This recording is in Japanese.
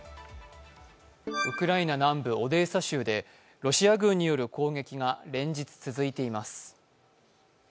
ウクライナ南部オデーサ州でロシア軍による攻撃が連日続いています。